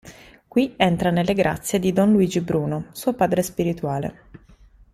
Qui entra nelle grazie di don Luigi Bruno, suo padre spirituale.